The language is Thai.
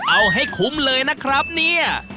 เอาให้คุ้มเลยนะครับเนี่ย